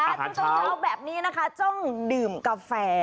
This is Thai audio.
อาหารเช้าต้องจะเอาแบบนี้นะคะจ้องดื่มกาแฟ